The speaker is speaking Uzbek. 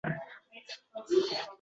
Dehqon hosilni yig’ishtira boshlabdi